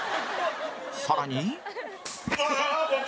さらに